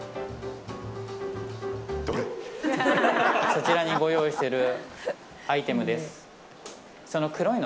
そちらにご用意しているアイテムです。